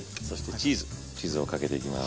チーズをかけていきます。